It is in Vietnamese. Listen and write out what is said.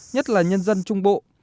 nhất là nhân dân trung bộ